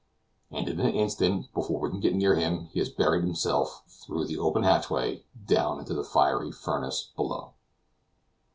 And in an instant, before we can get near him, he has buried himself, through the open hatchway, down into the fiery furnace below.